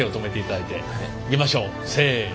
いきましょうせの。